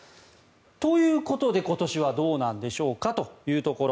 ということで今年はどうなんでしょうかというところ。